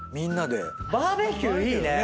バーベキューいいね。